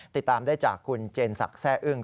ติดตามได้จากคุณเจนศักดิ์แซ่อึ้ง